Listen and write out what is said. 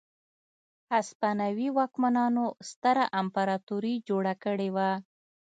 هسپانوي واکمنانو ستره امپراتوري جوړه کړې وه.